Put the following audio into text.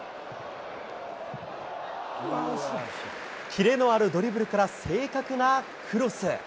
キレのあるドリブルから正確なクロス。